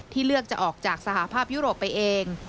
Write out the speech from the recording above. เลือกจะออกจากสหภาพยุโรปไปเอง